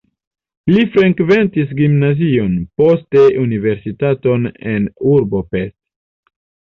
Li frekventis gimnazion, poste universitaton en urbo Pest.